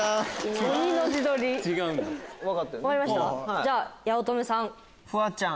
じゃあ八乙女さん。